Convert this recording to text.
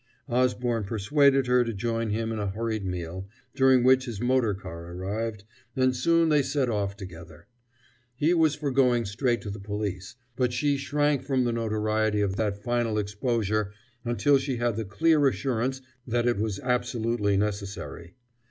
Osborne persuaded her to join him in a hurried meal, during which his motor car arrived, and soon they set off together. He was for going straight to the police, but she shrank from the notoriety of that final exposure until she had the clear assurance that it was absolutely necessary.